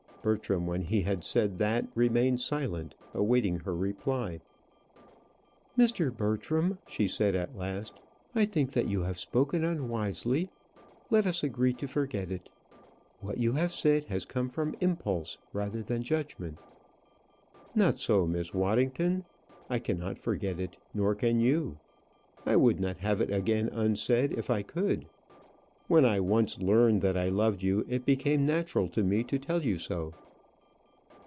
Bertram, when he had said that, remained silent, awaiting her reply. "Mr. Bertram," she said at last, "I think that you have spoken unwisely; let us agree to forget it. What you have said has come from impulse rather than judgment." "Not so, Miss Waddington. I cannot forget it; nor can you. I would not have it again unsaid if I could. When I once learned that I loved you, it became natural to me to tell you so."